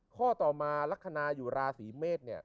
ข้อต่อมาลักษณะอยู่ราศีเมษเนี่ย